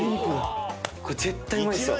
絶対うまいっすよ。